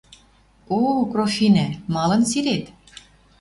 О Крофннӓ, малын сирет?